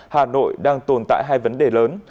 hà nội đang tồn tại hai vấn đề lớn